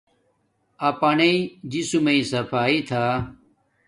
اپنݵ جسم صفا تھا